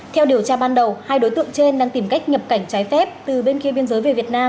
theo điều tra ban đầu hai đối tượng trên đang tìm cách nhập cảnh trái phép từ bên kia biên giới về việt nam